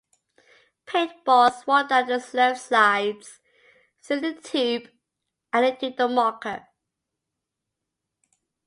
Paintballs roll down the sloped sides, through the tube and into the marker.